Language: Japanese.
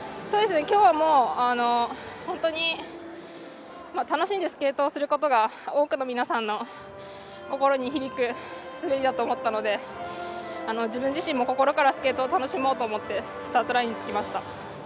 今日はもう本当に楽しんでスケートをすることが多くの皆さんの心に響く滑りだと思ったので自分自身も心からスケートを楽しもうと思ってスタートラインに着きました。